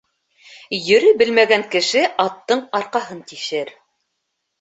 Йөрөй белмәгән кеше аттың арҡаһын тишер